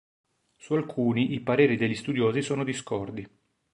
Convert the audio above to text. Su alcuni i pareri degli studiosi sono discordi.